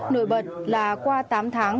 nổi bật là qua tám tháng